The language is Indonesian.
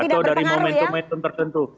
atau dari momentum momentum tertentu